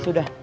ya sudah sana